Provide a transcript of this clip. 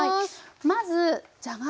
まずじゃがいも。